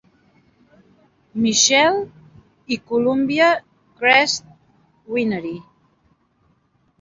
Michelle, i Columbia Crest Winery.